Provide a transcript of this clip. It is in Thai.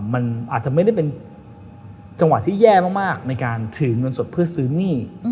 มันอาจจะไม่ได้เป็นจังหวะที่แย่มากในการถือเงินสดเพื่อซื้อหนี้